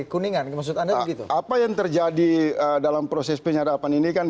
kuningan kemasukan dan begitu apa yang terjadi dalam proses penyadapan ini kan